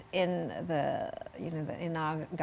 ya dengan pemerintah